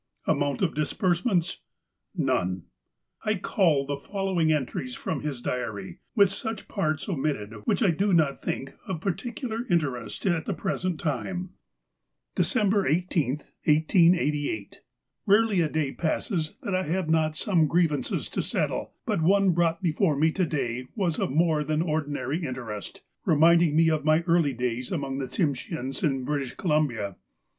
'' Amount of disbursements ? None. '' I cull the following entries from his diary, with such parts omitted, which I do not think of j)articular interest at the present time :^^ December i8, 1888. — Rarely a day passes that I have not some grievances to settle, but one brought before me to day was of more than ordinary interest, reminding me of my early days among the Tsimsheans in British Columbia.